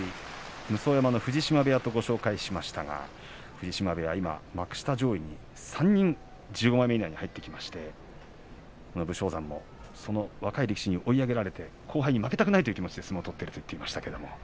武双山の藤島部屋とご紹介しましたが藤島部屋、今幕下上位に３人１５枚目以内に入ってきまして武将山もその若い力士に追い上げられて後輩に負けたくないという気持ちで相撲を取っていると言ってました。